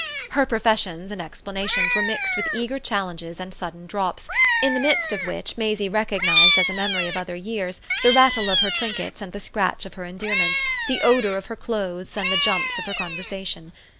Her professions and explanations were mixed with eager challenges and sudden drops, in the midst of which Maisie recognised as a memory of other years the rattle of her trinkets and the scratch of her endearments, the odour of her clothes and the jumps of her conversation.